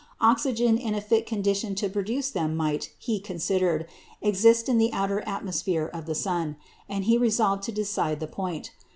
Oxygen in a fit condition to produce them might, he considered, exist in the outer atmosphere of the sun; and he resolved to decide the point.